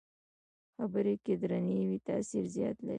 خبرې که درنې وي، تاثیر زیات لري